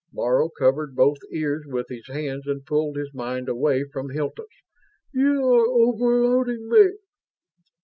Laro covered both ears with his hands and pulled his mind away from Hilton's. "You are overloading me!"